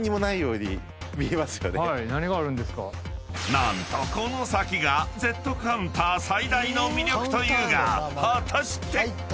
［何とこの先がＺカウンター最大の魅力というが果たして⁉］